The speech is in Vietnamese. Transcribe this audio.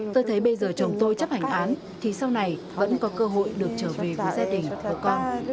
tôi thấy bây giờ chồng tôi chấp hành án thì sau này vẫn có cơ hội được trở về với gia đình của con